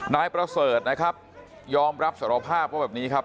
นายประเสริฐนะครับยอมรับสารภาพว่าแบบนี้ครับ